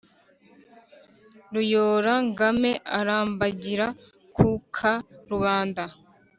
ruyora-ngame arambagira ku ka-rubanda